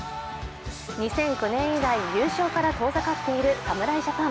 ２００９年以来、優勝から遠ざかっている侍ジャパン。